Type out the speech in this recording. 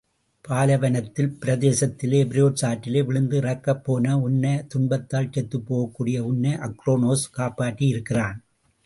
பாலைவனப் பிரதேசத்திலே எபிரேட்ஸ் ஆற்றிலே விழுந்து இறக்கப் போன உன்னை, துன்பத்தால் செத்துப்போகக்கூடிய உன்னை அக்ரோனோஸ் காப்பாற்றி இருக்கிறான்.